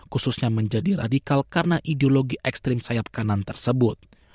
khususnya menjadi radikal karena ideologi ekstrim sayap kanan tersebut